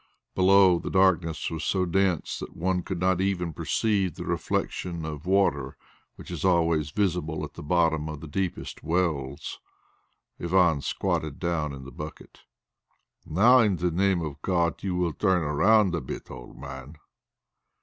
Below the darkness was so dense that one could not even perceive the reflection of water which is always visible at the bottom of the deepest wells. Ivan squatted down in the bucket. "Now, in the name of God! you will turn round a bit, old man."